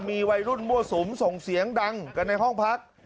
มีวัยรุ่นมั่วสุมส่งเสียงดังกันในห้องพัก